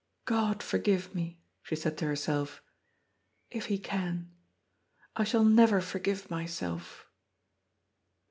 " God forgive me," she said to herself, " if He can. I shall never forgive myself."